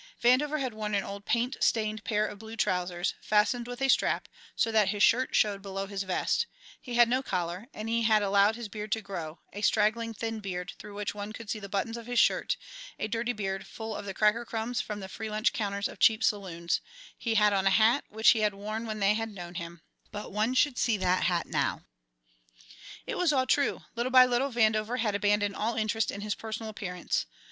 Vandover had worn an old paint stained pair of blue trousers, fastened with a strap, so that his shirt showed below his vest; he had no collar, and he had allowed his beard to grow, a straggling thin beard, through which one could see the buttons of his shirt, a dirty beard full of the cracker crumbs from the free lunch counters of cheap saloons; he had on a hat which he had worn when they had known him; but one should see that hat now! It was all true: little by little Vandover had abandoned all interest in his personal appearance.